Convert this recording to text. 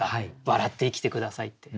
「笑って生きて下さい」って。